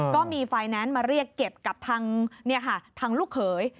ก็มีไฟแนนซ์มาเรียกเก็บกับทางลูกเขย